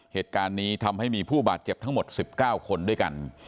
เหตุการณ์นี้ทำให้มีผู้บาดเจ็บทั้งหมด๑๙คนด้วยกัน